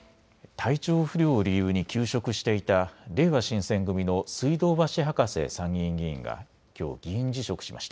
体調不良を理由に休職していたれいわ新選組の水道橋博士参議院議員がきょう議員辞職しました。